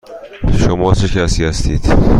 شما چه کسی هستید؟